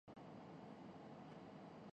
Vote کی عزت۔